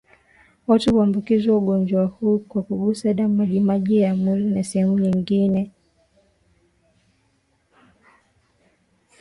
Watu huambukizwa ugonjwa huu kwa kugusa damu majimaji ya mwili na sehemu nyingine